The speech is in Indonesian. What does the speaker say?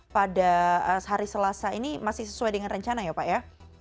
pada hari selasa ini masih sesuai dengan rencana ya pak ya